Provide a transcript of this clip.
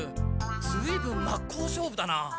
ずいぶんまっこう勝負だな。